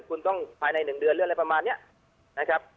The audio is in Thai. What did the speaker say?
คุณต้องภายในหนึ่งเดือนเรื่องอะไรประมาณเนี้ยนะครับ